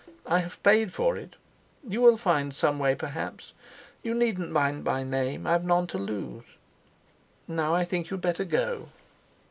I have paid for it. You will find some way perhaps. You needn't mind my name, I have none to lose. Now I think you had better go."